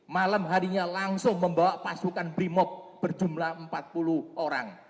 malam harinya langsung membawa pasukan brimop berjumlah empat puluh orang